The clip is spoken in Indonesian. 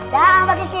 daah mbak kiki